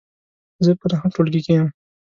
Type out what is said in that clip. زه په نهم ټولګې کې یم .